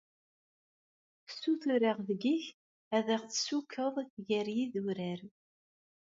Sutureɣ deg-k ad aɣ-tessukeḍ gar yidurar.